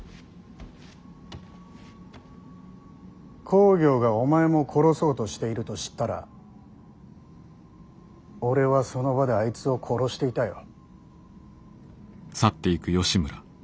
公暁がお前も殺そうとしていると知ったら俺はその場であいつを殺していたよ。